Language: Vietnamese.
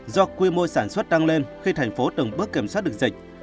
do quy mô sản xuất tăng lên khi thành phố từng bước kiểm soát được dịch